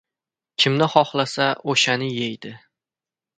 kimni xohlasa, o‘shani yeydi.